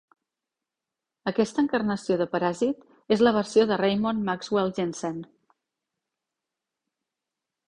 Aquesta encarnació de Paràsit és la versió de Raymond Maxwell Jensen.